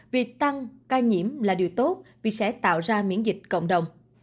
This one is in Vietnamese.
việc tăng ca nhiễm là điều tốt vì sẽ tạo ra miễn dịch cộng đồng